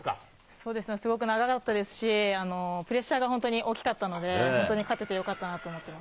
そうですね、すごく長かったですし、プレッシャーが本当に大きかったので、本当に勝ててよかったなと思ってます。